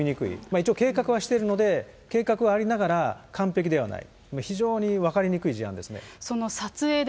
一応、計画はしていたので、計画はありながら、完璧ではない。